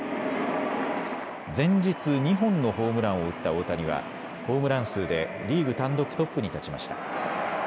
前日、２本のホームランを打った大谷はホームラン数でリーグ単独トップに立ちました。